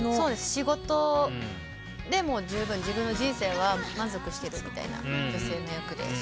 仕事で十分、自分の人生は満足してるみたいな女性の役で。